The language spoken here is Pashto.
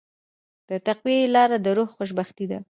د تقوی لاره د روح خوشبختي ده.